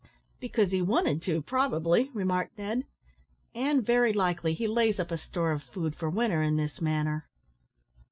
"Because he wanted to, probably," remarked Ned; "and very likely he lays up a store of food for winter in this manner."